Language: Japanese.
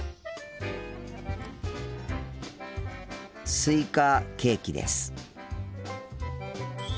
スイカケーキです。